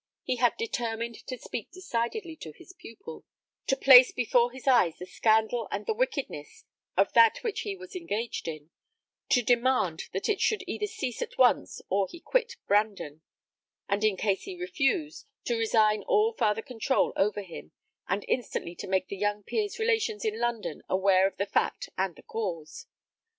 He had determined to speak decidedly to his pupil; to place before his eyes the scandal and the wickedness of that which he was engaged in; to demand that it should either cease at once, or he quit Brandon; and in case he refused, to resign all farther control over him, and instantly to make the young peer's relations in London aware of the fact and the cause.